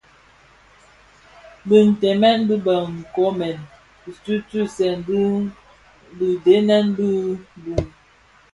Bitenmen bi bë nkomèn ntutusèn dhi biden bi bum,